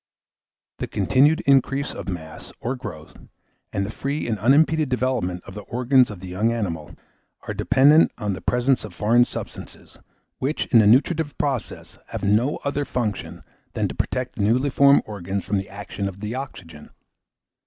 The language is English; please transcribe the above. The continued increase of mass, or growth, and the free and unimpeded development of the organs in the young animal, are dependent on the presence of foreign substances, which, in the nutritive process, have no other function than to protect the newly formed organs from the action of the oxygen.